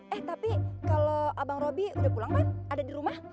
eh tapi kalau abang roby udah pulang kan ada di rumah